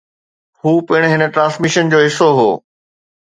هو پڻ هن ٽرانسميشن جو حصو هو